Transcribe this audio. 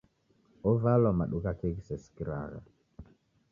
Ovalwa madu ghake ghisesikiragha